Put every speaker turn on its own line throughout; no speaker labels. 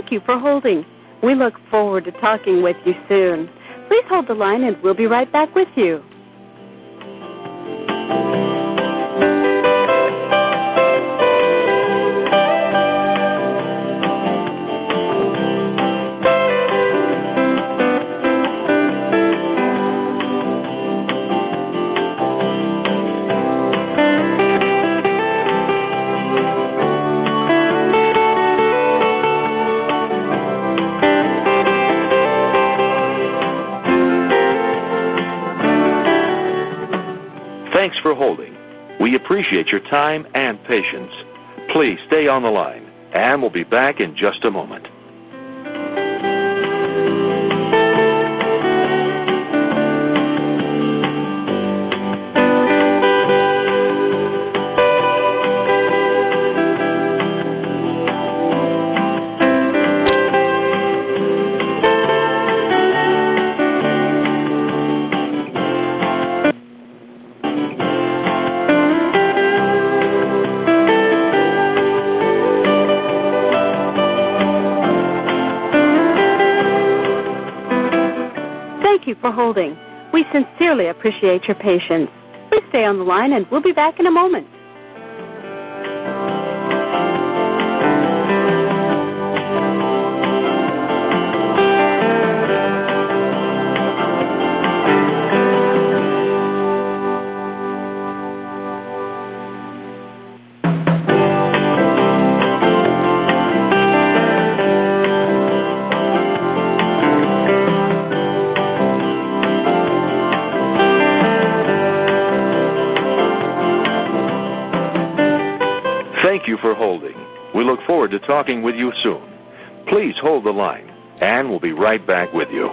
Thank you for holding. We look forward to talking with you soon. Please hold the line, and we'll be right back with you.
Thanks for holding. We appreciate your time and patience. Please stay on the line, and we'll be back in just a moment.
Thank you for holding. We sincerely appreciate your patience. Please stay on the line, and we'll be back in a moment.
Thank you for holding. We look forward to talking with you soon. Please hold the line, and we'll be right back with you.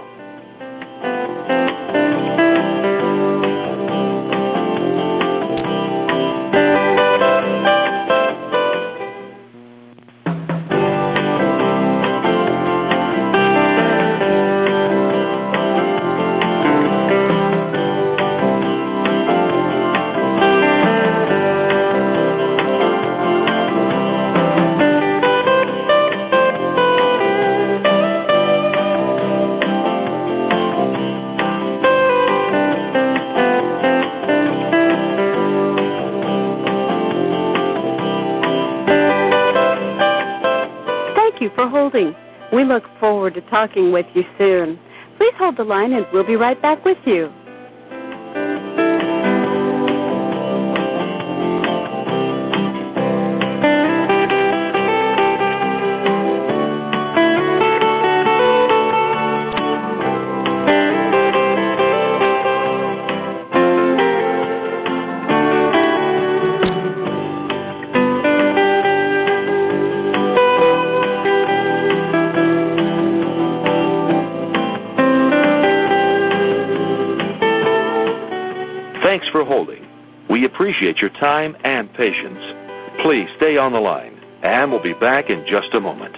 Thank you for holding. We look forward to talking with you soon. Please hold the line, and we'll be right back with you.
Thanks for holding. We appreciate your time and patience. Please stay on the line, and we'll be back in just a moment.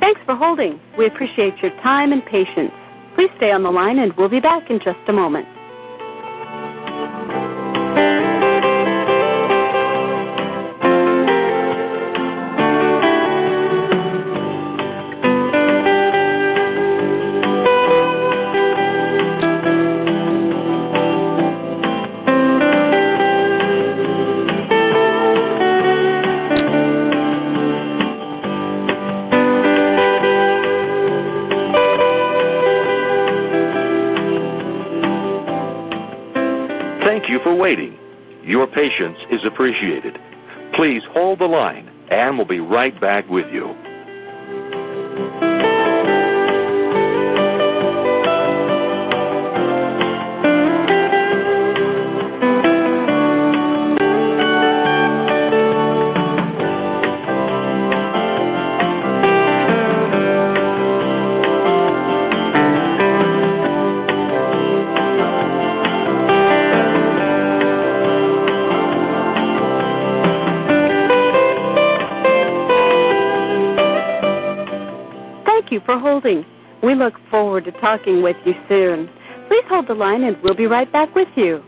Thanks for holding. We appreciate your time and patience. Please stay on the line, and we'll be back in just a moment.
Thank you for waiting. Your patience is appreciated. Please hold the line, and we'll be right back with you.
Thank you for holding. We look forward to talking with you soon. Please hold the line, and we will be right back with you.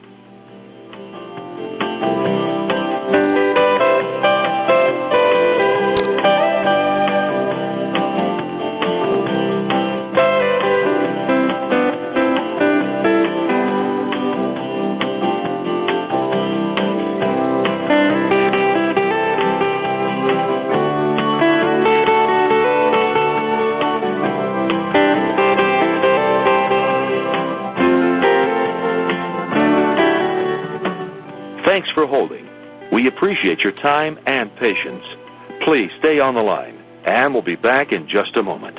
Thanks for holding. We appreciate your time and patience. Please stay on the line, and we'll be back in just a moment.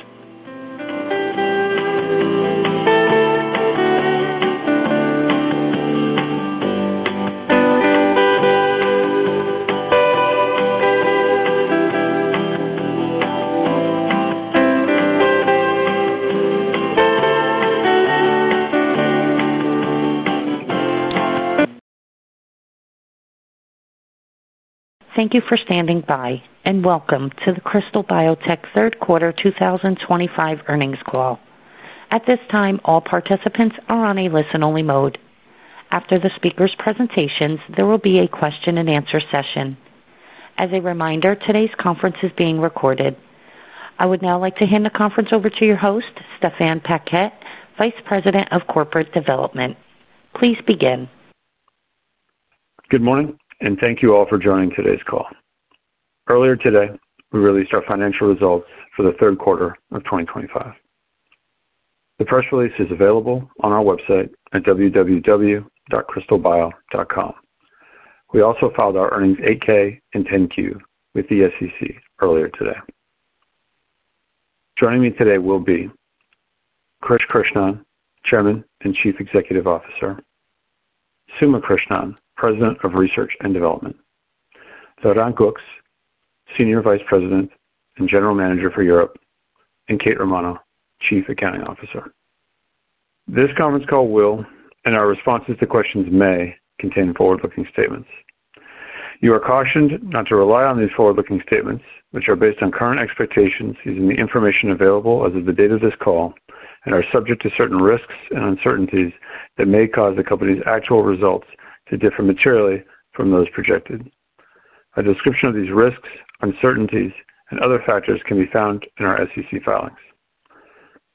Thank you for standing by, and welcome to the Krystal Biotech Third Quarter 2025 Earnings Call. At this time, all participants are on a listen-only mode. After the speakers' presentations, there will be a question-and-answer session. As a reminder, today's conference is being recorded. I would now like to hand the conference over to your host, Stéphane Paquette, Vice President of Corporate Development. Please begin.
Good morning, and thank you all for joining today's call. Earlier today, we released our financial results for the third quarter of 2025. The press release is available on our website at www.krystalbio.com. We also filed our earnings 8-K and 10-Q with the SEC earlier today. Joining me today will be Krish Krishnan, Chairman and Chief Executive Officer, Suma Krishnan, President of Research and Development, Laurent Goux, Senior Vice President and General Manager for Europe, and Kate Romano, Chief Accounting Officer. This conference call will, and our responses to questions may, contain forward-looking statements. You are cautioned not to rely on these forward-looking statements, which are based on current expectations using the information available as of the date of this call and are subject to certain risks and uncertainties that may cause the company's actual results to differ materially from those projected. A description of these risks, uncertainties, and other factors can be found in our SEC filings.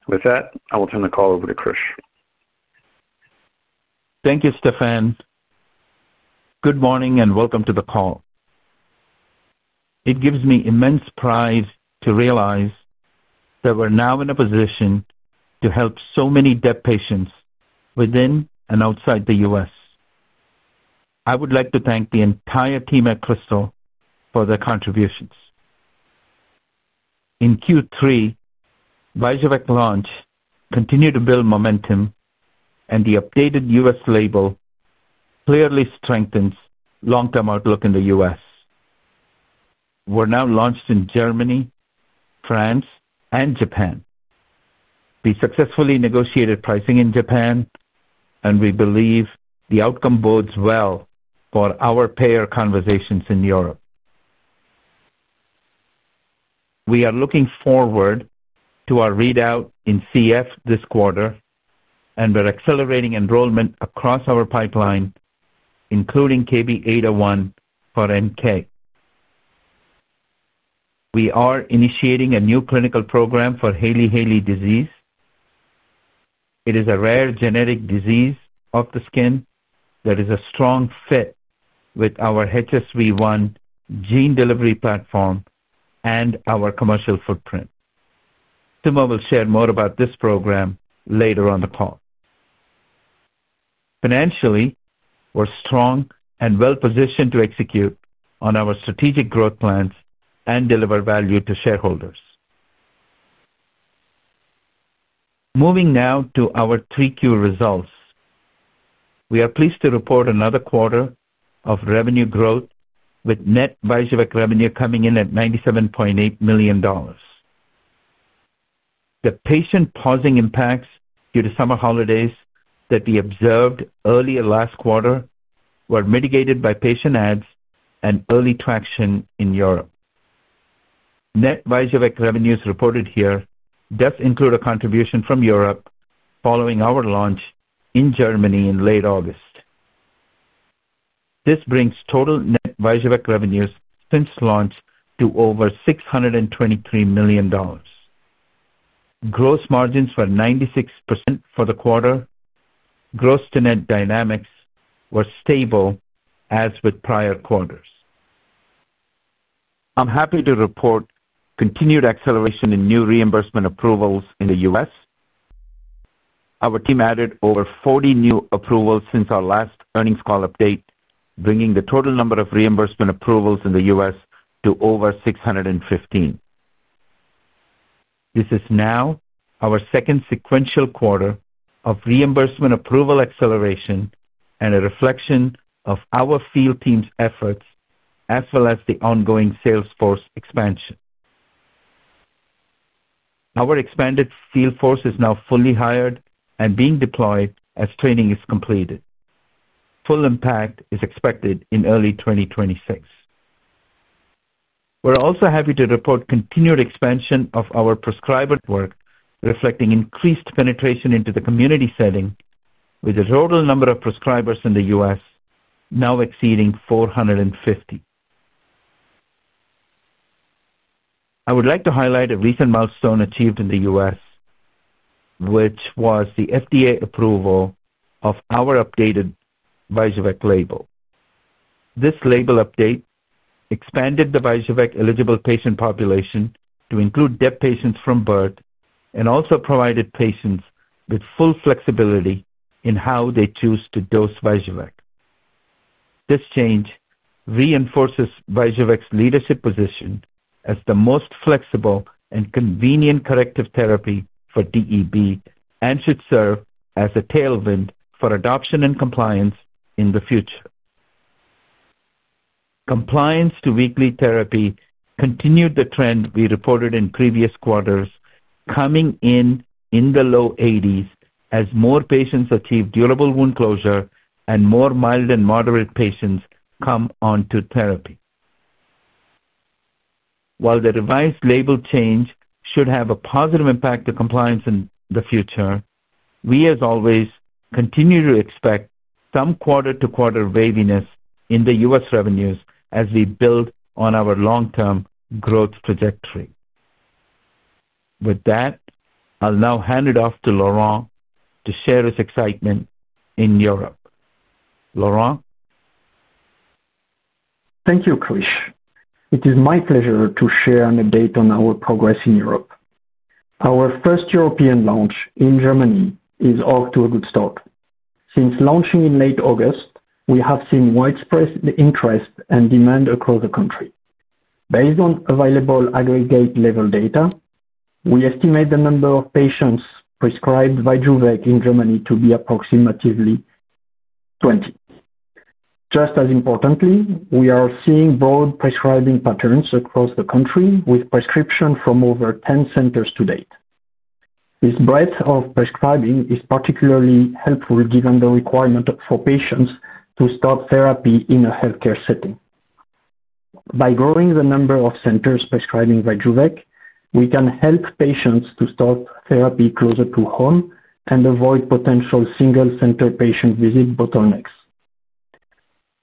With that, I will turn the call over to Krish.
Thank you, Stéphane. Good morning, and welcome to the call. It gives me immense pride to realize that we're now in a position to help so many DEB patients within and outside the U.S. I would like to thank the entire team at Krystal for their contributions. In Q3, VYJUVEK launch continued to build momentum, and the updated U.S. label clearly strengthens long-term outlook in the U.S. We're now launched in Germany, France, and Japan. We successfully negotiated pricing in Japan, and we believe the outcome bodes well for our payer conversations in Europe. We are looking forward to our readout in CF this quarter, and we're accelerating enrollment across our pipeline, including KB801 for NK. We are initiating a new clinical program for Hailey-Hailey disease. It is a rare genetic disease of the skin that is a strong fit with our HSV-1 gene delivery platform and our commercial footprint. Suma will share more about this program later on the call. Financially, we're strong and well-positioned to execute on our strategic growth plans and deliver value to shareholders. Moving now to our 3Q results. We are pleased to report another quarter of revenue growth, with net VYJUVEK revenue coming in at $97.8 million. The patient-pausing impacts due to summer holidays that we observed earlier last quarter were mitigated by patient adds and early traction in Europe. Net VYJUVEK revenues reported here do include a contribution from Europe following our launch in Germany in late August. This brings total net VYJUVEK revenues since launch to over $623 million. Gross margins were 96% for the quarter. Gross to net dynamics were stable as with prior quarters. I'm happy to report continued acceleration in new reimbursement approvals in the U.S. Our team added over 40 new approvals since our last earnings call update, bringing the total number of reimbursement approvals in the U.S. to over 615. This is now our second sequential quarter of reimbursement approval acceleration and a reflection of our field team's efforts as well as the ongoing sales force expansion. Our expanded field force is now fully hired and being deployed as training is completed. Full impact is expected in early 2026. We're also happy to report continued expansion of our prescriber network, reflecting increased penetration into the community setting, with the total number of prescribers in the U.S. now exceeding 450. I would like to highlight a recent milestone achieved in the U.S., which was the FDA approval of our updated VYJUVEK label. This label update expanded the VYJUVEK eligible patient population to include DEB patients from birth and also provided patients with full flexibility in how they choose to dose VYJUVEK. This change reinforces VYJUVEK's leadership position as the most flexible and convenient corrective therapy for DEB and should serve as a tailwind for adoption and compliance in the future. Compliance to weekly therapy continued the trend we reported in previous quarters, coming in in the low 80% as more patients achieve durable wound closure and more mild and moderate patients come onto therapy. While the revised label change should have a positive impact on compliance in the future. We, as always, continue to expect some quarter-to-quarter waviness in the U.S. revenues as we build on our long-term growth trajectory. With that, I'll now hand it off to Laurent to share his excitement in Europe. Laurent?
Thank you, Krish. It is my pleasure to share an update on our progress in Europe. Our first European launch in Germany is off to a good start. Since launching in late August, we have seen widespread interest and demand across the country. Based on available aggregate label data, we estimate the number of patients prescribed VYJUVEK in Germany to be approximately 20. Just as importantly, we are seeing broad prescribing patterns across the country with prescriptions from over 10 centers to date. This breadth of prescribing is particularly helpful given the requirement for patients to start therapy in a healthcare setting. By growing the number of centers prescribing VYJUVEK, we can help patients to start therapy closer to home and avoid potential single center patient visit bottlenecks.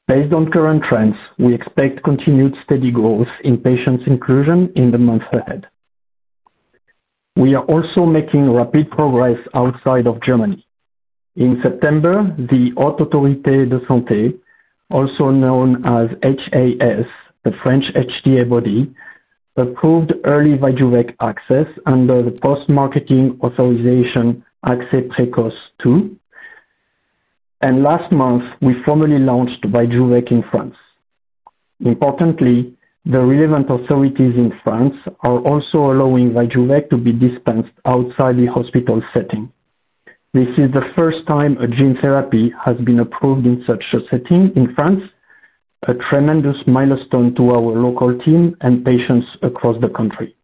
Based on current trends, we expect continued steady growth in patients' inclusion in the months ahead. We are also making rapid progress outside of Germany. In September, the Haute Autorité de Santé, also known as HAS, the French HTA body, approved early VYJUVEK access under the post-marketing authorization Accès Précoce II. Last month, we formally launched VYJUVEK in France. Importantly, the relevant authorities in France are also allowing VYJUVEK to be dispensed outside the hospital setting. This is the first time a gene therapy has been approved in such a setting in France, a tremendous milestone to our local team and patients across the country.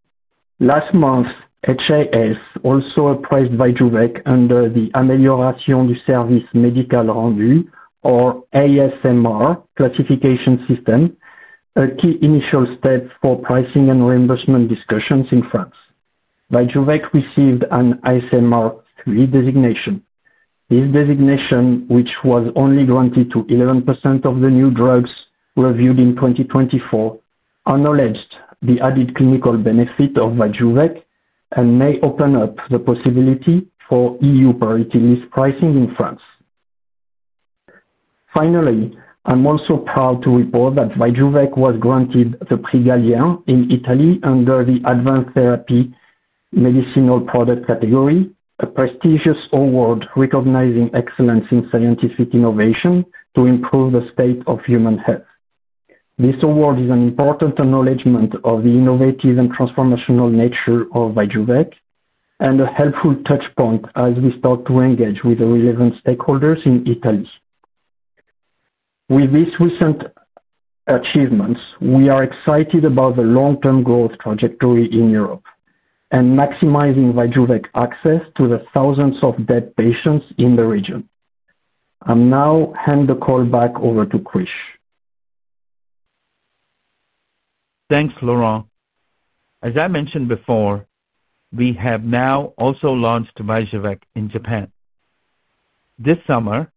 Last month, HAS also appraised VYJUVEK under the Amélioration du Service Médical Rendu, or ASMR, classification system, a key initial step for pricing and reimbursement discussions in France. VYJUVEK received an ASMR 3 designation. This designation, which was only granted to 11% of the new drugs reviewed in 2024, acknowledged the added clinical benefit of VYJUVEK and may open up the possibility for EU priority list pricing in France. Finally, I am also proud to report that VYJUVEK was granted the Prix Galien in Italy under the advanced therapy medicinal product category, a prestigious award recognizing excellence in scientific innovation to improve the state of human health. This award is an important acknowledgment of the innovative and transformational nature of VYJUVEK and a helpful touchpoint as we start to engage with the relevant stakeholders in Italy. With these recent achievements, we are excited about the long-term growth trajectory in Europe and maximizing VYJUVEK access to the thousands of DEB patients in the region. I'll now hand the call back over to Krish.
Thanks, Laurent. As I mentioned before, we have now also launched VYJUVEK in Japan. This summer,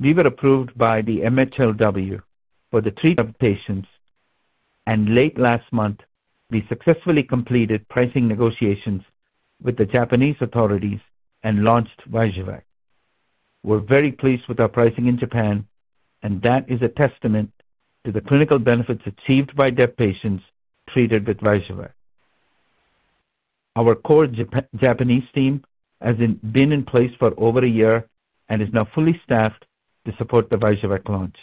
we were approved by the MHLW for the treatment of patients, and late last month, we successfully completed pricing negotiations with the Japanese authorities and launched VYJUVEK. We're very pleased with our pricing in Japan, and that is a testament to the clinical benefits achieved by DEB patients treated with VYJUVEK. Our core Japanese team has been in place for over a year and is now fully staffed to support the VYJUVEK launch.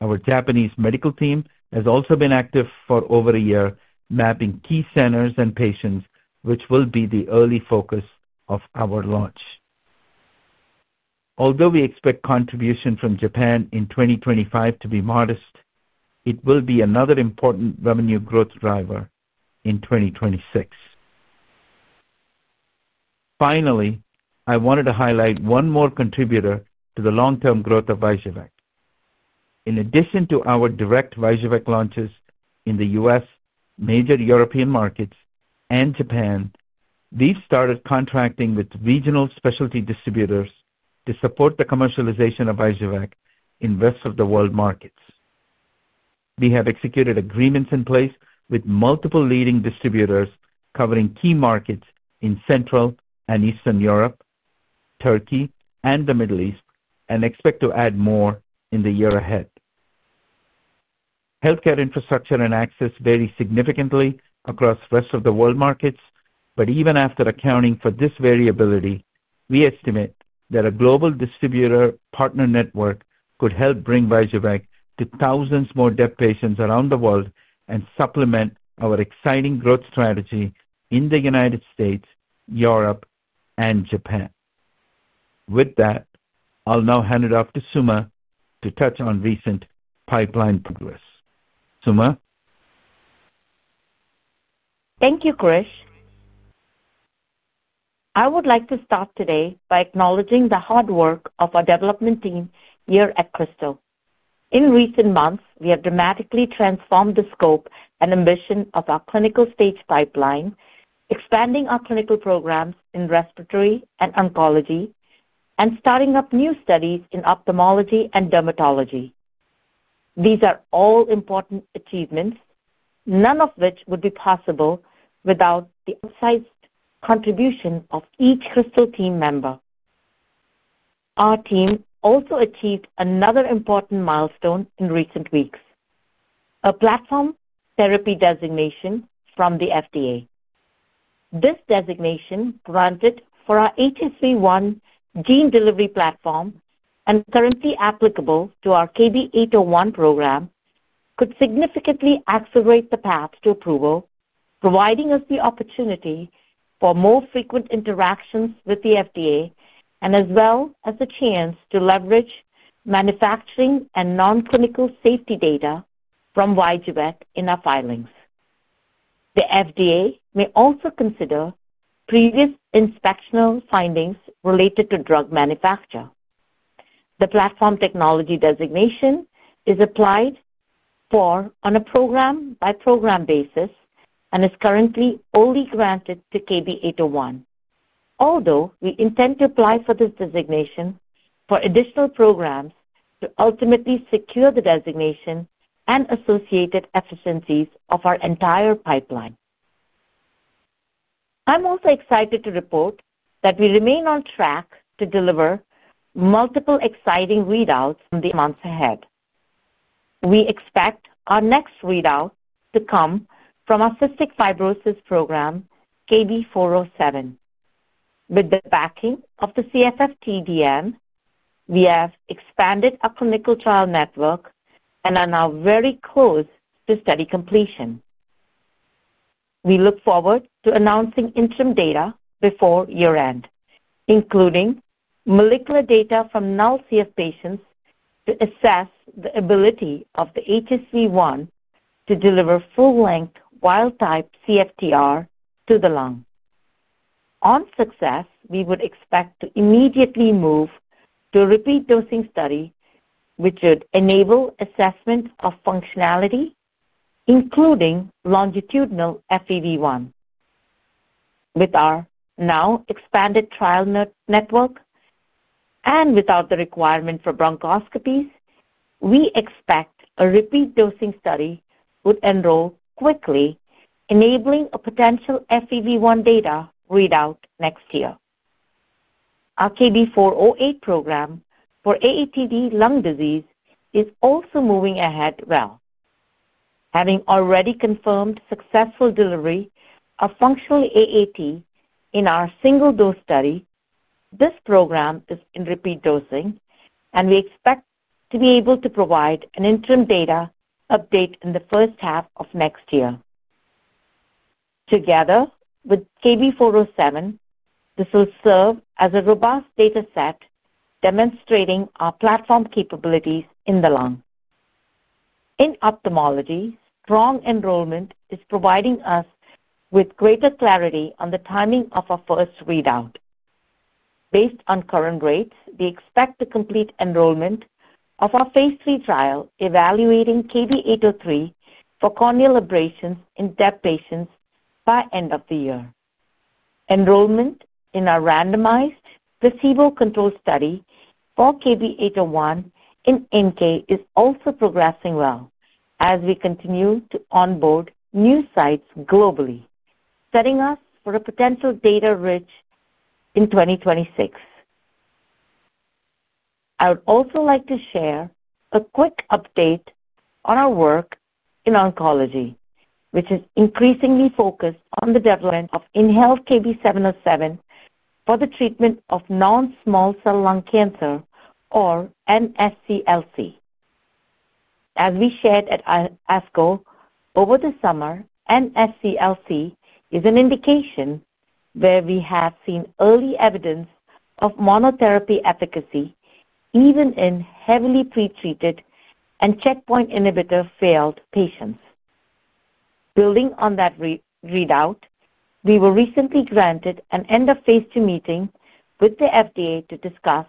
Our Japanese medical team has also been active for over a year, mapping key centers and patients, which will be the early focus of our launch. Although we expect contribution from Japan in 2025 to be modest, it will be another important revenue growth driver in 2026. Finally, I wanted to highlight one more contributor to the long-term growth of VYJUVEK. In addition to our direct VYJUVEK launches in the U.S., major European markets, and Japan, we've started contracting with regional specialty distributors to support the commercialization of VYJUVEK in rest of the world markets. We have executed agreements in place with multiple leading distributors covering key markets in Central and Eastern Europe, Turkey, and the Middle East, and expect to add more in the year ahead. Healthcare infrastructure and access vary significantly across rest of the world markets, but even after accounting for this variability, we estimate that a global distributor partner network could help bring VYJUVEK to thousands more DEB patients around the world and supplement our exciting growth strategy in the United States, Europe, and Japan. With that, I'll now hand it off to Suma to touch on recent pipeline progress. Suma?
Thank you, Krish. I would like to start today by acknowledging the hard work of our Development Team here at Krystal. In recent months, we have dramatically transformed the scope and ambition of our clinical stage pipeline, expanding our clinical programs in respiratory and oncology, and starting up new studies in ophthalmology and dermatology. These are all important achievements, none of which would be possible without the outsized contribution of each Krystal team member. Our team also achieved another important milestone in recent weeks. A platform therapy designation from the FDA. This designation, granted for our HSV-1 gene delivery platform and currently applicable to our KB801 program, could significantly accelerate the path to approval, providing us the opportunity for more frequent interactions with the FDA as well as the chance to leverage manufacturing and non-clinical safety data from VYJUVEK in our filings. The FDA may also consider previous inspectional findings related to drug manufacture. The platform technology designation is applied for on a program-by-program basis and is currently only granted to KB801, although we intend to apply for this designation for additional programs to ultimately secure the designation and associated efficiencies for our entire pipeline. I'm also excited to report that we remain on track to deliver multiple exciting readouts in the months ahead. We expect our next readout to come from our cystic fibrosis program, KB407. With the backing of the CFF TDN, we have expanded our clinical trial network and are now very close to study completion. We look forward to announcing interim data before year-end, including molecular data from [NALCF] patients to assess the ability of the HSV-1 to deliver full-length wild-type CFTR to the lung. On success, we would expect to immediately move to a repeat dosing study, which would enable assessment of functionality, including longitudinal FEV1. With our now expanded trial network and without the requirement for bronchoscopies, we expect a repeat dosing study would enroll quickly, enabling a potential FEV1 data readout next year. Our KB408 program for AATD lung disease is also moving ahead well. Having already confirmed successful delivery of functional AAT in our single-dose study, this program is in repeat dosing, and we expect to be able to provide an interim data update in the first half of next year. Together with KB407, this will serve as a robust data set demonstrating our platform capabilities in the lung. In ophthalmology, strong enrollment is providing us with greater clarity on the timing of our first readout. Based on current rates, we expect to complete enrollment of our phase III trial evaluating KB803 for corneal abrasions in DEB patients by end of the year. Enrollment in our randomized placebo-controlled study for KB801 in NK is also progressing well as we continue to onboard new sites globally, setting us for a potential data readout in 2026. I would also like to share a quick update on our work in oncology, which is increasingly focused on the development of intratumoral KB707 for the treatment of non-small cell lung cancer, or NSCLC. As we shared at ASCO over the summer, NSCLC is an indication where we have seen early evidence of monotherapy efficacy even in heavily pretreated and checkpoint inhibitor-failed patients. Building on that readout, we were recently granted an end-of-phase two meeting with the FDA to discuss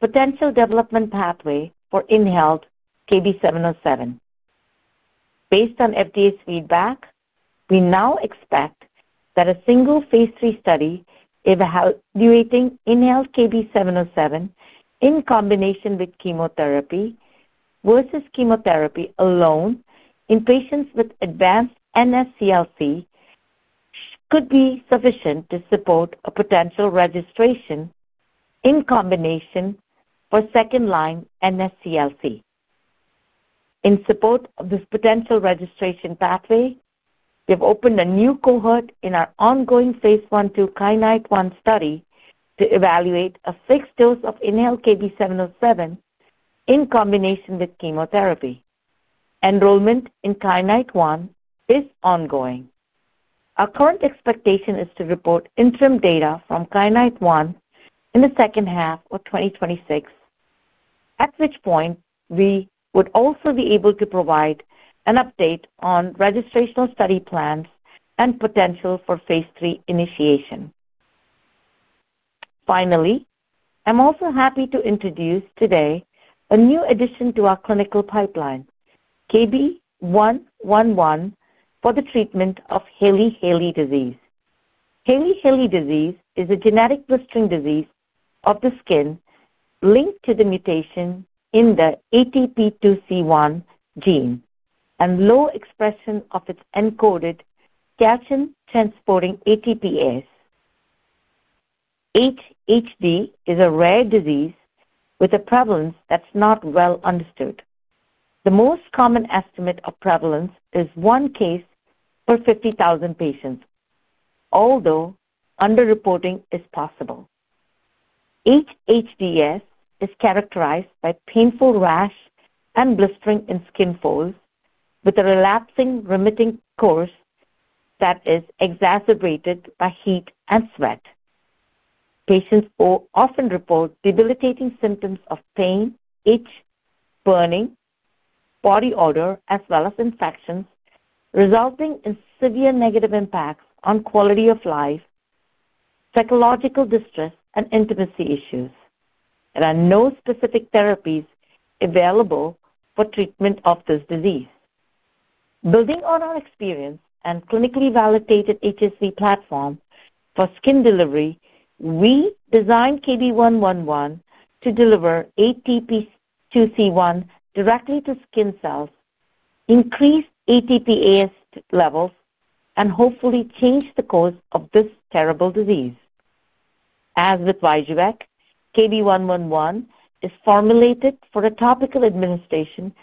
a potential development pathway for intratumoral KB707. Based on FDA's feedback, we now expect that a single phase three study evaluating intratumoral KB707 in combination with chemotherapy versus chemotherapy alone in patients with advanced NSCLC could be sufficient to support a potential registration in combination for second-line NSCLC. In support of this potential registration pathway, we have opened a new cohort in our ongoing phase one two KYANITE-1 study to evaluate a fixed dose of intratumoral KB707 in combination with chemotherapy. Enrollment in KYANITE-1 is ongoing. Our current expectation is to report interim data from KYANITE-1 in the second half of 2026, at which point we would also be able to provide an update on registrational study plans and potential for phase three initiation. Finally, I'm also happy to introduce today a new addition to our clinical pipeline, KB111, for the treatment of Hailey-Hailey disease. Hailey-Hailey disease is a genetic blistering disease of the skin linked to the mutation in the ATP2C1 gene and low expression of its encoded keratin-transporting ATPase. HHD is a rare disease with a prevalence that's not well understood. The most common estimate of prevalence is one case per 50,000 patients, although underreporting is possible. HHD is characterized by painful rash and blistering in skin folds with a relapsing-remitting course that is exacerbated by heat and sweat. Patients often report debilitating symptoms of pain, itch, burning, body odor, as well as infections, resulting in severe negative impacts on quality of life, psychological distress, and intimacy issues. There are no specific therapies available for treatment of this disease. Building on our experience and clinically validated HSV-1 platform for skin delivery, we designed KB111 to deliver ATP2C1 directly to skin cells, increase ATPase levels, and hopefully change the course of this terrible disease. As with VYJUVEK, KB111 is formulated for a topical administration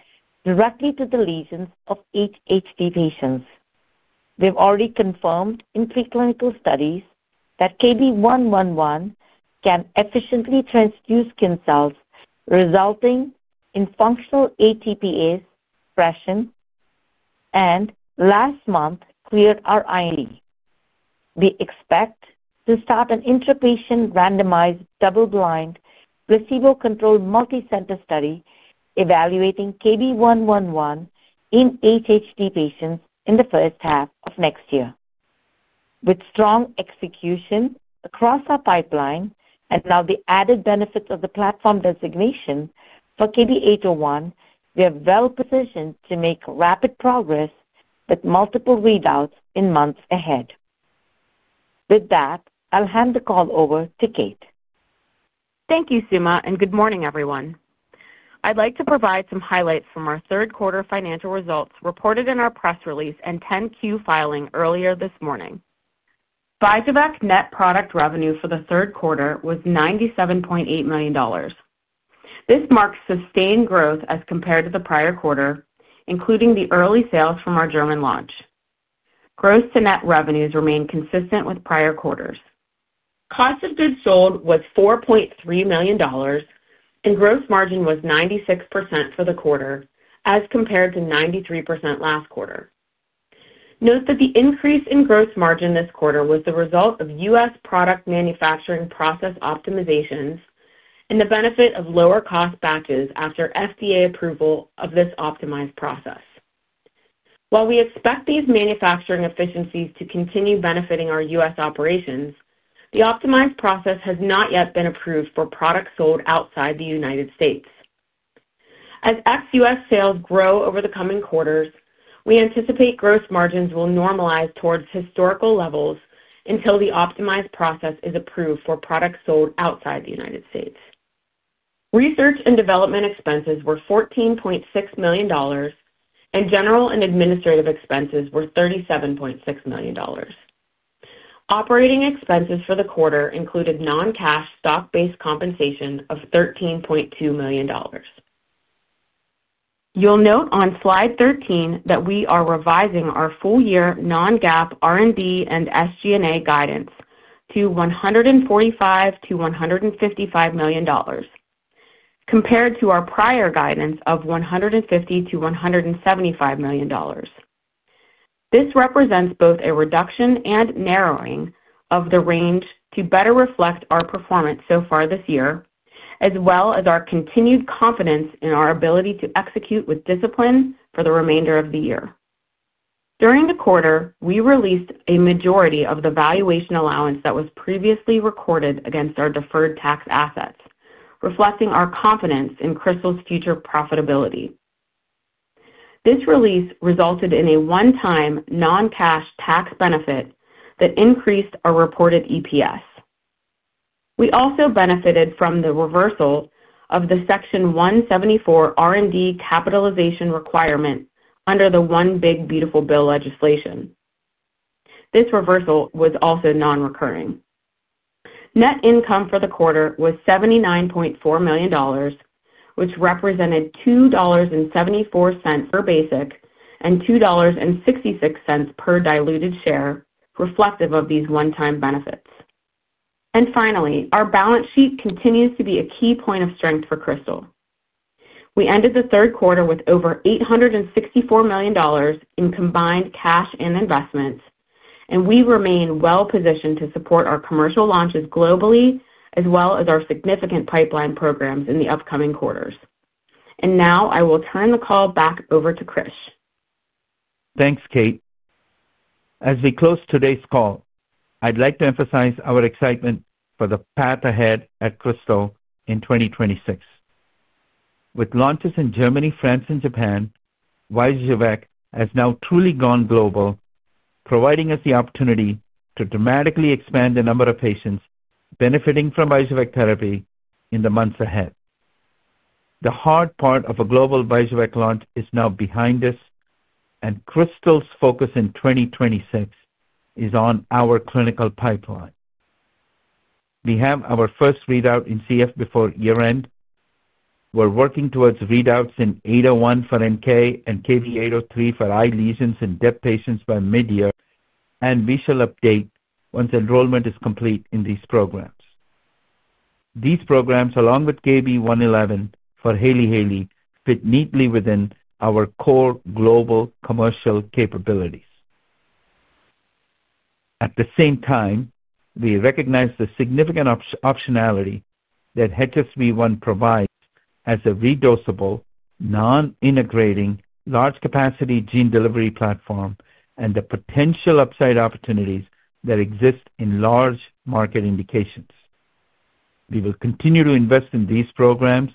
directly to the lesions of HHD patients. We have already confirmed in preclinical studies that KB111 can efficiently transduce skin cells, resulting in functional ATPase expression, and last month cleared our [IND]. We expect to start an intrapatient randomized double-blind placebo-controlled multicenter study evaluating KB111 in HHD patients in the first half of next year. With strong execution across our pipeline and now the added benefits of the platform designation for KB801, we are well positioned to make rapid progress with multiple readouts in months ahead. With that, I'll hand the call over to Kate.
Thank you, Suma, and good morning, everyone. I'd like to provide some highlights from our third-quarter financial results reported in our press release and 10-Q filing earlier this morning. VYJUVEK net product revenue for the third quarter was $97.8 million. This marks sustained growth as compared to the prior quarter, including the early sales from our German launch. Gross to net revenues remain consistent with prior quarters. Cost of goods sold was $4.3 million. Gross margin was 96% for the quarter as compared to 93% last quarter. Note that the increase in gross margin this quarter was the result of U.S. product manufacturing process optimizations and the benefit of lower-cost batches after FDA approval of this optimized process. While we expect these manufacturing efficiencies to continue benefiting our U.S. operations, the optimized process has not yet been approved for products sold outside the United States. As ex-U.S sales grow over the coming quarters, we anticipate gross margins will normalize towards historical levels until the optimized process is approved for products sold outside the United States. Research & Development expenses were $14.6 million. General and administrative expenses were $37.6 million. Operating expenses for the quarter included non-cash stock-based compensation of $13.2 million. You'll note on slide 13 that we are revising our full-year non-GAAP R&D and SG&A guidance to $145 million-$155 million compared to our prior guidance of $150 million-$175 million. This represents both a reduction and narrowing of the range to better reflect our performance so far this year, as well as our continued confidence in our ability to execute with discipline for the remainder of the year. During the quarter, we released a majority of the valuation allowance that was previously recorded against our deferred tax assets, reflecting our confidence in Krystal's future profitability. This release resulted in a one-time non-cash tax benefit that increased our reported EPS. We also benefited from the reversal of the Section 174 R&D capitalization requirement under the One Big Beautiful Bill legislation. This reversal was also non-recurring. Net income for the quarter was $79.4 million, which represented $2.74 per basic and $2.66 per diluted share, reflective of these one-time benefits. Finally, our balance sheet continues to be a key point of strength for Krystal. We ended the third quarter with over $864 million in combined cash and investments, and we remain well positioned to support our commercial launches globally, as well as our significant pipeline programs in the upcoming quarters. I will turn the call back over to Krish.
Thanks, Kate. As we close today's call, I'd like to emphasize our excitement for the path ahead at Krystal in 2026. With launches in Germany, France, and Japan, VYJUVEK has now truly gone global, providing us the opportunity to dramatically expand the number of patients benefiting from VYJUVEK therapy in the months ahead. The hard part of a global VYJUVEK launch is now behind us, and Krystal's focus in 2026 is on our clinical pipeline. We have our first readout in CF before year-end. We're working towards readouts in KB801 for NK and KB803 for eye lesions in DEB patients by mid-year, and we shall update once enrollment is complete in these programs. These programs, along with KB111 for Hailey-Hailey, fit neatly within our core global commercial capabilities. At the same time, we recognize the significant optionality that HSV-1 provides as a re-dosable, non-integrating, large-capacity gene delivery platform and the potential upside opportunities that exist in large market indications. We will continue to invest in these programs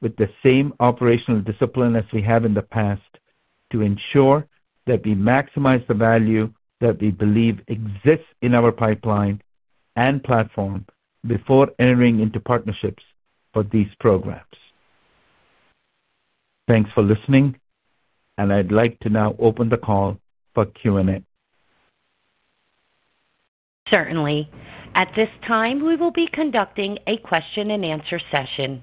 with the same operational discipline as we have in the past to ensure that we maximize the value that we believe exists in our pipeline and platform before entering into partnerships for these programs. Thanks for listening, and I'd like to now open the call for Q&A.
Certainly. At this time, we will be conducting a question-and-answer session.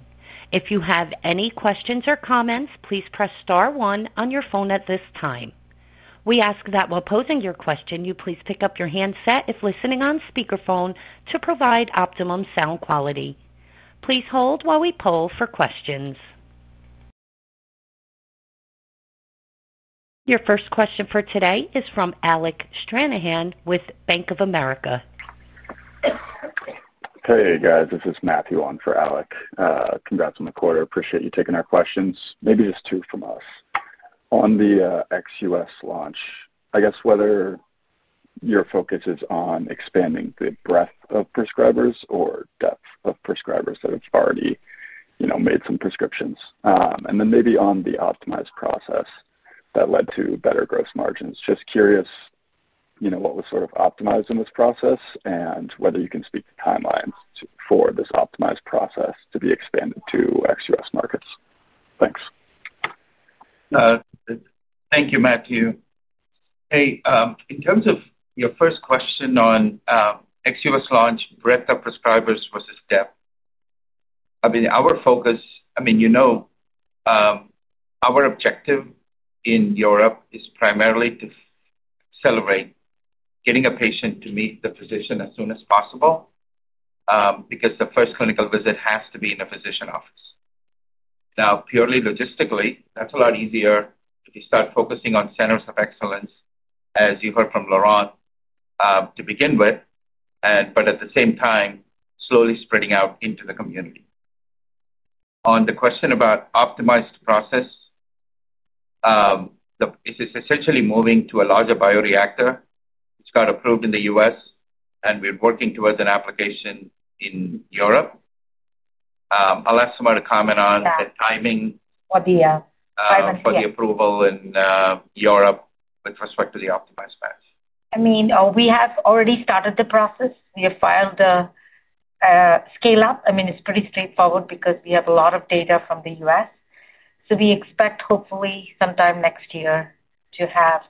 If you have any questions or comments, please press star one on your phone at this time. We ask that while posing your question, you please pick up your handset if listening on speakerphone to provide optimum sound quality. Please hold while we poll for questions. Your first question for today is from Alec Stranahan with Bank of America.
Hey, guys. This is Matthew on for Alec. Congrats on the quarter. Appreciate you taking our questions, maybe just two from us. On the ex-U.S. launch, I guess whether your focus is on expanding the breadth of prescribers or depth of prescribers that have already made some prescriptions, and then maybe on the optimized process that led to better gross margins. Just curious what was sort of optimized in this process and whether you can speak to timelines for this optimized process to be expanded to ex-U.S. markets. Thanks.
Thank you, Matthew. Hey, in terms of your first question on ex-U.S. launch, breadth of prescribers versus depth. I mean, our focus, I mean, you know, our objective in Europe is primarily to accelerate getting a patient to meet the physician as soon as possible. Because the first clinical visit has to be in a physician office. Now, purely logistically, that's a lot easier if you start focusing on centers of excellence, as you heard from Laurent, to begin with. At the same time, slowly spreading out into the community. On the question about optimized process, this is essentially moving to a larger bioreactor. It got approved in the U.S., and we're working towards an application in Europe. I'll ask Suma to comment on the timing. For the approval in Europe with respect to the optimized batch.
I mean, we have already started the process. We have filed the scale-up. I mean, it's pretty straightforward because we have a lot of data from the U.S. So we expect, hopefully, sometime next year to have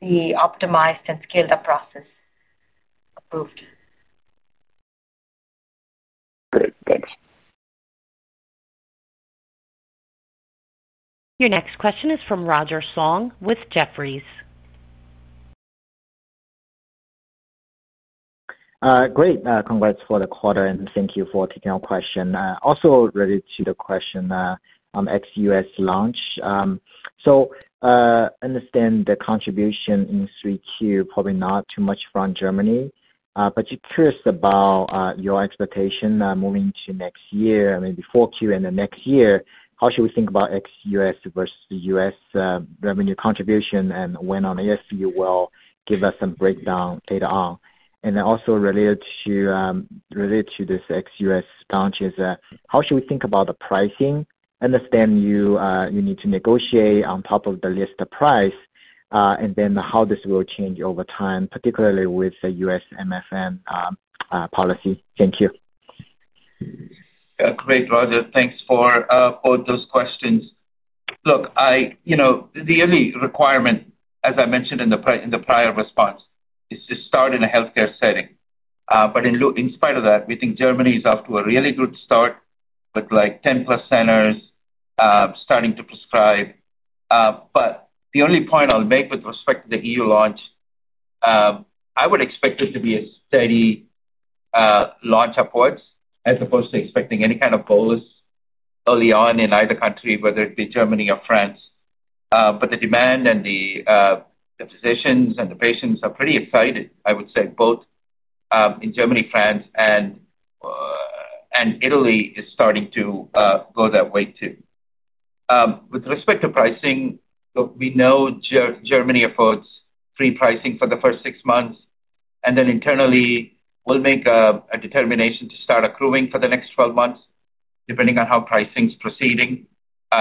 the optimized and scaled-up process approved.
Great. Thanks.
Your next question is from Roger Song with Jefferies.
Great. Congrats for the quarter, and thank you for taking our question. Also related to the question on ex-U.S. launch. So. I understand the contribution in 3Q probably not too much from Germany. But just curious about your expectation moving to next year, I mean, before Q and the next year, how should we think about ex-U.S. versus U.S. revenue contribution and when on the EU will give us some breakdown later on? And then also related to. This ex-U.S. launch is, how should we think about the pricing? I understand you need to negotiate on top of the list price, and then how this will change over time, particularly with the U.S. MFN policy. Thank you.
Great, Roger. Thanks for both those questions. Look. The only requirement, as I mentioned in the prior response, is to start in a healthcare setting. In spite of that, we think Germany is off to a really good start with like +10 centers. Starting to prescribe. The only point I'll make with respect to the EU launch, I would expect it to be a steady launch upwards as opposed to expecting any kind of bolus early on in either country, whether it be Germany or France. The demand and the physicians and the patients are pretty excited, I would say, both in Germany, France, and Italy is starting to go that way too. With respect to pricing, look, we know Germany affords free pricing for the first six months. Internally, we'll make a determination to start accruing for the next 12 months, depending on how pricing's proceeding.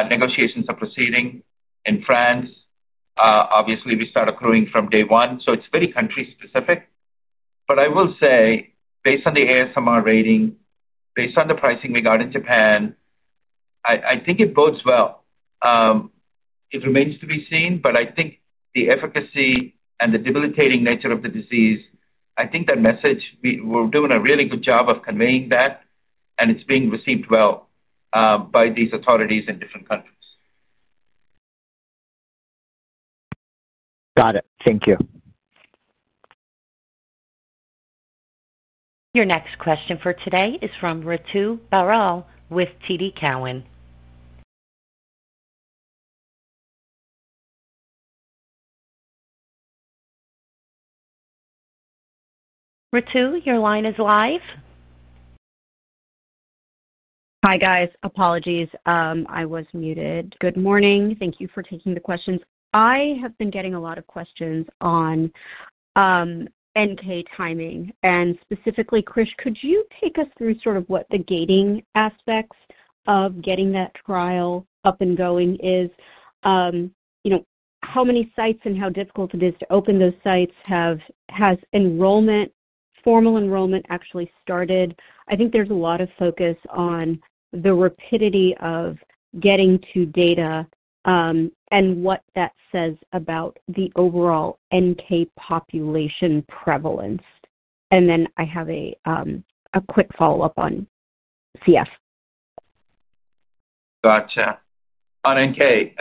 Negotiations are proceeding in France. Obviously, we start accruing from day one. It's very country-specific. I will say, based on the ASMR rating, based on the pricing we got in Japan. I think it bodes well. It remains to be seen, but I think the efficacy and the debilitating nature of the disease, I think that message we're doing a really good job of conveying that, and it's being received well by these authorities in different countries.
Got it. Thank you.
Your next question for today is from Ritu Baral with TD Cowen. Ritu, your line is live.
Hi, guys. Apologies. I was muted. Good morning. Thank you for taking the questions. I have been getting a lot of questions on NK timing. Specifically, Krish, could you take us through sort of what the gating aspects of getting that trial up and going is? How many sites and how difficult it is to open those sites? Has formal enrollment actually started? I think there's a lot of focus on the rapidity of getting to data. What that says about the overall NK population prevalence. I have a quick follow-up on CF.
Gotcha. On NK.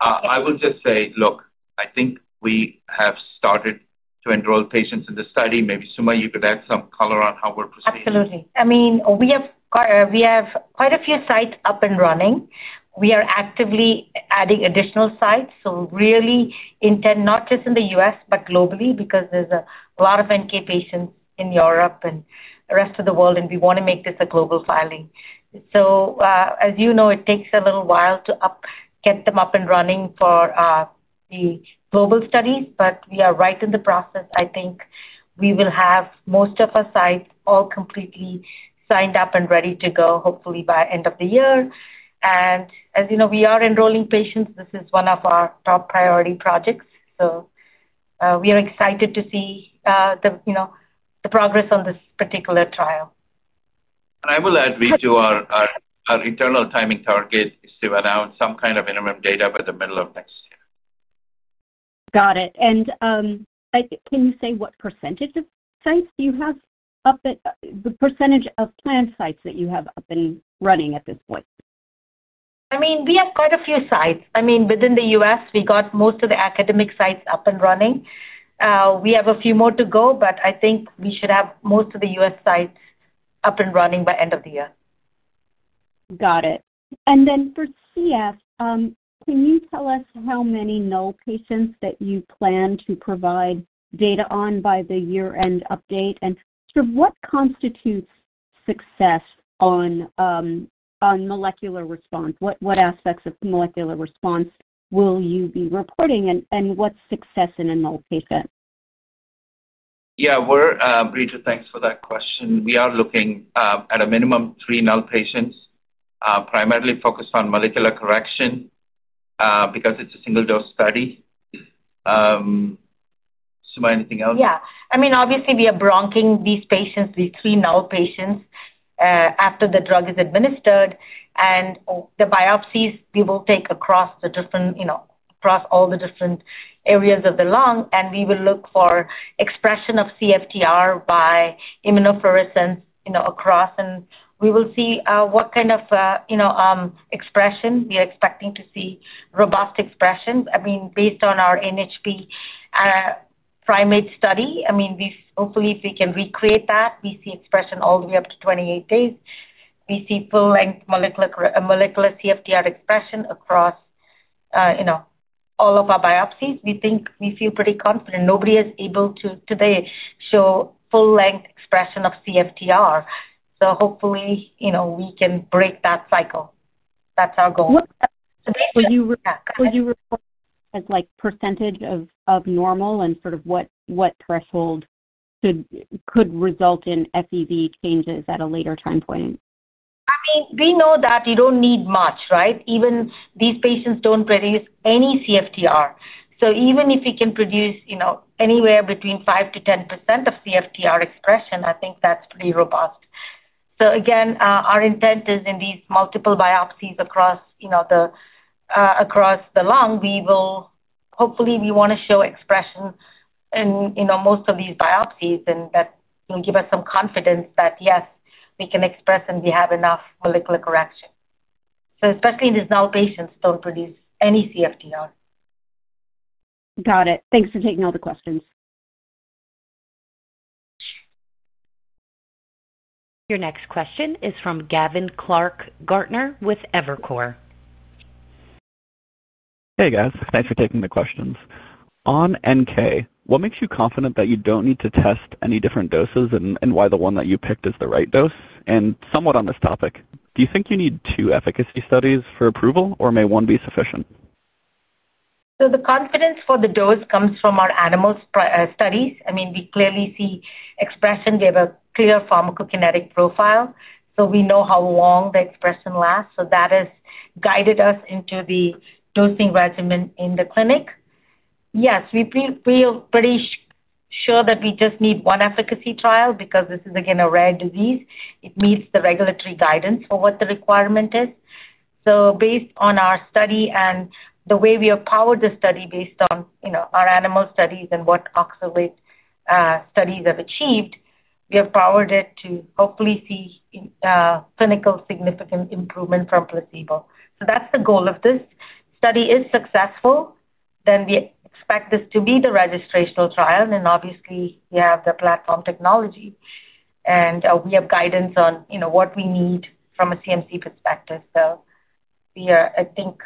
I would just say, look, I think we have started to enroll patients in the study. Maybe Suma, you could add some color on how we're proceeding.
Absolutely. I mean, we have quite a few sites up and running. We are actively adding additional sites. Really intent, not just in the U.S., but globally, because there are a lot of NK patients in Europe and the rest of the world, and we want to make this a global filing. As you know, it takes a little while to get them up and running for the global studies, but we are right in the process. I think we will have most of our sites all completely signed up and ready to go, hopefully by end of the year. As you know, we are enrolling patients. This is one of our top priority projects. We are excited to see the progress on this particular trial.
I will add to our internal timing target is to announce some kind of interim data by the middle of next year.
Got it. Can you say what percentage of planned sites that you have up and running at this point?
I mean, we have quite a few sites. I mean, within the U.S., we got most of the academic sites up and running. We have a few more to go, but I think we should have most of the U.S. sites up and running by end of the year.
Got it. For CF, can you tell us how many null patients that you plan to provide data on by the year-end update? What constitutes success on molecular response? What aspects of molecular response will you be reporting, and what's success in a null patient?
Yeah. Ritu, thanks for that question. We are looking at a minimum of three null patients, primarily focused on molecular correction. Because it is a single-dose study. Suma, anything else?
Yeah. I mean, obviously, we are bronching these patients, these three null patients, after the drug is administered. The biopsies, we will take across all the different areas of the lung, and we will look for expression of CFTR by immunofluorescence. We will see what kind of expression. We are expecting to see robust expressions. I mean, based on our NHP primate study, I mean, hopefully, if we can recreate that, we see expression all the way up to 28 days. We see full-length molecular CFTR expression across all of our biopsies. We think we feel pretty confident. Nobody is able to today show full-length expression of CFTR. Hopefully, we can break that cycle. That is our goal.
What will you report as percentage of normal and sort of what threshold could result in FEV1 changes at a later time point?
I mean, we know that you don't need much, right? Even these patients don't produce any CFTR. Even if we can produce anywhere between 5%-10% of CFTR expression, I think that's pretty robust. Again, our intent is in these multiple biopsies across the lung, we will hopefully want to show expression in most of these biopsies, and that will give us some confidence that, yes, we can express and we have enough molecular correction. Especially in these null patients, they don't produce any CFTR.
Got it. Thanks for taking all the questions.
Your next question is from Gavin Clark-Gartner with Evercore.
Hey, guys. Thanks for taking the questions. On NK, what makes you confident that you do not need to test any different doses and why the one that you picked is the right dose? And somewhat on this topic, do you think you need two efficacy studies for approval, or may one be sufficient?
The confidence for the dose comes from our animal studies. I mean, we clearly see expression gave a clear pharmacokinetic profile. We know how long the expression lasts. That has guided us into the dosing regimen in the clinic. Yes, we feel pretty sure that we just need one efficacy trial because this is, again, a rare disease. It meets the regulatory guidance for what the requirement is. Based on our study and the way we have powered the study based on our animal studies and what oxalate studies have achieved, we have powered it to hopefully see clinical significant improvement from placebo. That's the goal of this. If the study is successful, we expect this to be the registrational trial. Obviously, we have the platform technology, and we have guidance on what we need from a CMC perspective. I think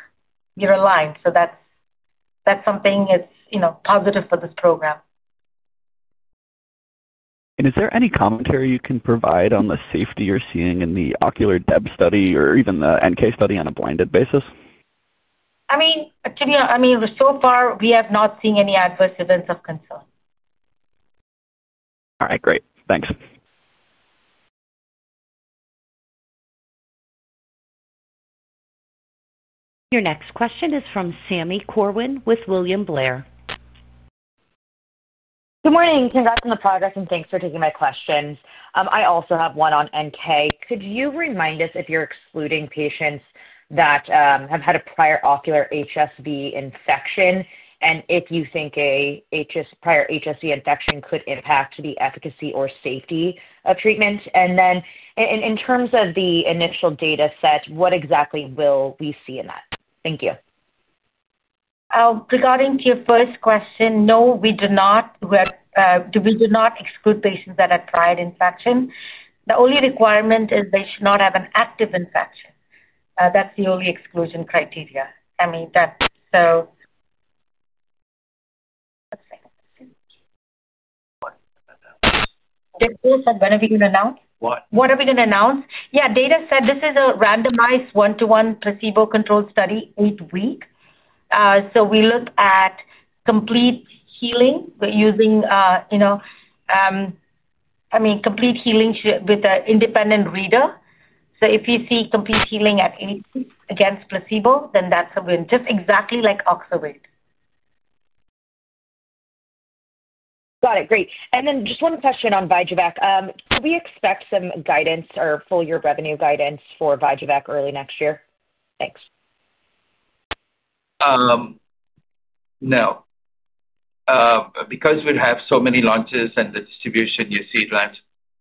we're aligned. That's something that's positive for this program.
Is there any commentary you can provide on the safety you're seeing in the ocular depth study or even the NK study on a blinded basis?
I mean, so far, we have not seen any adverse events of concern.
All right. Great. Thanks.
Your next question is from Sami Corwin with William Blair.
Good morning. Congrats on the progress, and thanks for taking my questions. I also have one on NK. Could you remind us if you're excluding patients that have had a prior ocular HSV infection and if you think a prior HSV infection could impact the efficacy or safety of treatment? In terms of the initial data set, what exactly will we see in that? Thank you.
Regarding your first question, no, we do not. We do not exclude patients that have tried infection. The only requirement is they should not have an active infection. That is the only exclusion criteria. I mean, that. Let's see. This is what are we going to announce?
What?
What are we going to announce? Yeah. Data said this is a randomized one-to-one placebo-controlled study, eight-week. We look at complete healing using, I mean, complete healing with an independent reader. If you see complete healing against placebo, then that's what we're just exactly like oxalate.
Got it. Great. And then just one question on VYJUVEK. Do we expect some guidance or full-year revenue guidance for VYJUVEK early next year? Thanks.
No. Because we have so many launches and the distribution you see,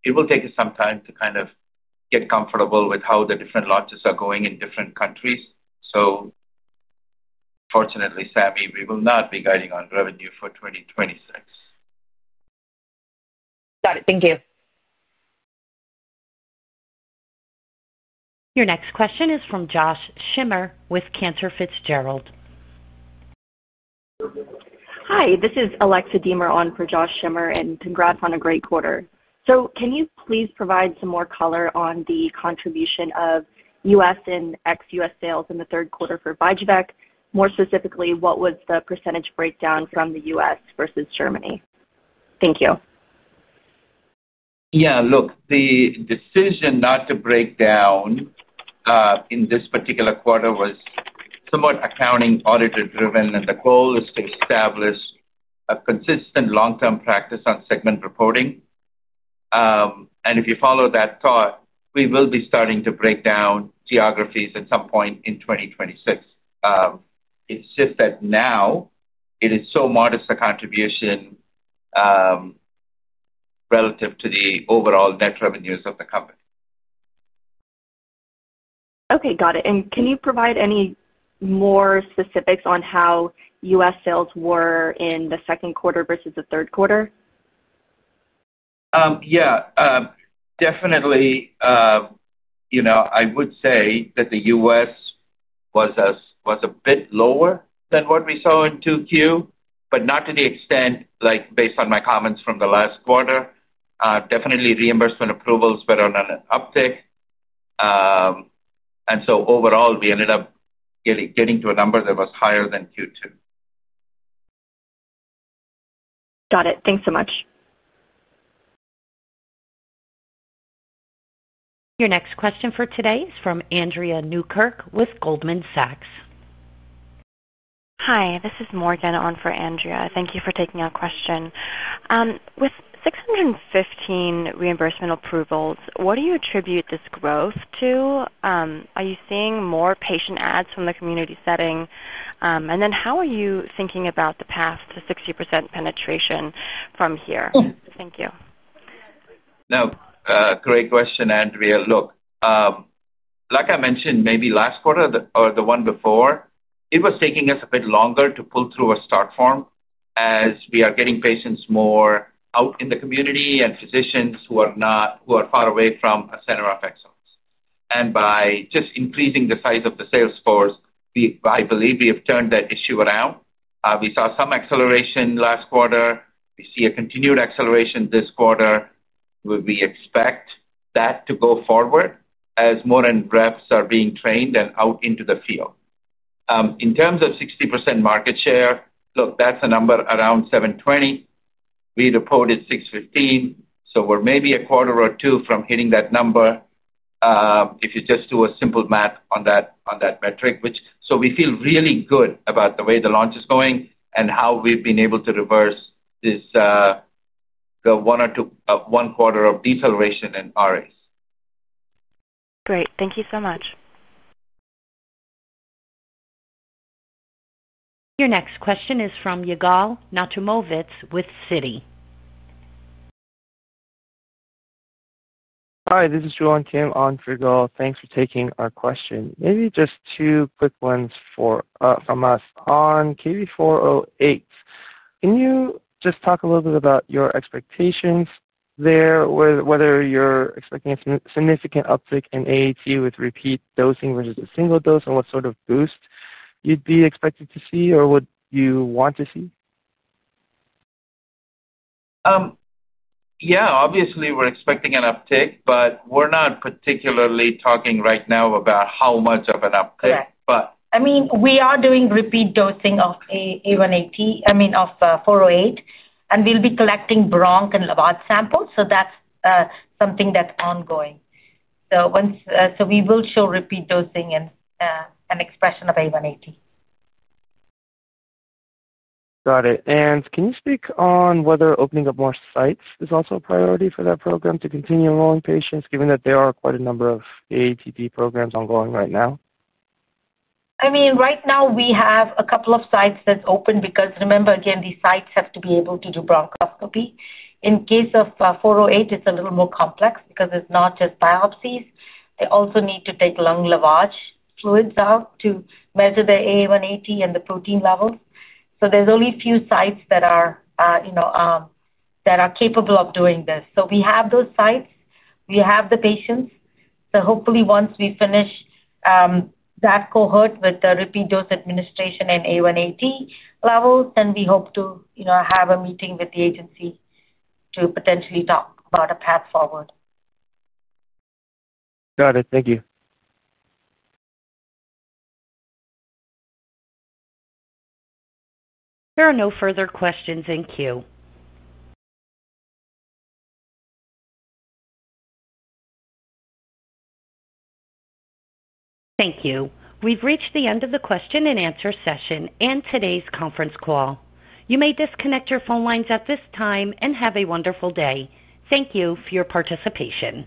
it will take us some time to kind of get comfortable with how the different launches are going in different countries. Fortunately, Sammy, we will not be guiding on revenue for 2026.
Got it. Thank you.
Your next question is from Josh Schimmer with Cantor Fitzgerald.
Hi. This is Alexa Deemer on for Josh Schimmer, and congrats on a great quarter. Can you please provide some more color on the contribution of US and ex-US sales in the third quarter for VYJUVEK? More specifically, what was the percentage breakdown from the U.S. versus Germany? Thank you.
Yeah. Look, the decision not to break down in this particular quarter was somewhat accounting-auditor-driven, and the goal is to establish a consistent long-term practice on segment reporting. If you follow that thought, we will be starting to break down geographies at some point in 2026. It's just that now it is so modest the contribution relative to the overall net revenues of the company.
Okay. Got it. Can you provide any more specifics on how U.S. sales were in the second quarter versus the third quarter?
Yeah. Definitely. I would say that the U.S. was a bit lower than what we saw in Q2, but not to the extent based on my comments from the last quarter. Definitely, reimbursement approvals were on an uptick. Overall, we ended up getting to a number that was higher than Q2.
Got it. Thanks so much.
Your next question for today is from Andrea Newkirk with Goldman Sachs.
Hi. This is [Morgan] on for Andrea. Thank you for taking our question. With 615 reimbursement approvals, what do you attribute this growth to? Are you seeing more patient ads from the community setting? How are you thinking about the path to 60% penetration from here? Thank you.
No. Great question, Andrea. Look. Like I mentioned, maybe last quarter or the one before, it was taking us a bit longer to pull through a start form as we are getting patients more out in the community and physicians who are far away from a center of excellence. By just increasing the size of the sales force, I believe we have turned that issue around. We saw some acceleration last quarter. We see a continued acceleration this quarter. We expect that to go forward as more reps are being trained and out into the field. In terms of 60% market share, look, that's a number around 720. We reported 615. So we're maybe a quarter or two from hitting that number. If you just do a simple math on that metric, we feel really good about the way the launch is going and how we've been able to reverse this. One or two one-quarter of deceleration in RA.
Great. Thank you so much.
Your next question is from Yigal Nochomovitz with Citi.
Hi. This is [Johan Kim] on for Yigal. Thanks for taking our question. Maybe just two quick ones from us. On KB408, can you just talk a little bit about your expectations there, whether you're expecting a significant uptick in AAT with repeat dosing versus a single dose, and what sort of boost you'd be expected to see or would you want to see?
Yeah. Obviously, we're expecting an uptick, but we're not particularly talking right now about how much of an uptick.
I mean, we are doing repeat dosing of A180, I mean, of 408, and we'll be collecting bronch and Levod samples. So that's something that's ongoing. So we will show repeat dosing and an expression of A180.
Got it. Can you speak on whether opening up more sites is also a priority for that program to continue enrolling patients, given that there are quite a number of AATD programs ongoing right now?
I mean, right now, we have a couple of sites that's open because, remember, again, these sites have to be able to do bronchoscopy. In case of 408, it's a little more complex because it's not just biopsies. They also need to take lung lavage fluids out to measure the A180 and the protein levels. So there's only a few sites that are capable of doing this. So we have those sites. We have the patients. Hopefully, once we finish that cohort with the repeat dose administration and A180 levels, then we hope to have a meeting with the agency to potentially talk about a path forward.
Got it. Thank you.
There are no further questions in queue. Thank you. We have reached the end of the question and answer session and today's conference call. You may disconnect your phone lines at this time and have a wonderful day. Thank you for your participation.